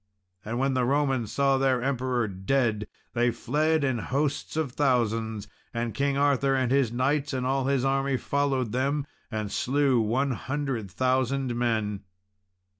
And when the Romans saw their Emperor dead they fled in hosts of thousands; and King Arthur and his knights, and all his army followed them, and slew one hundred thousand men.